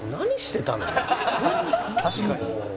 「確かに」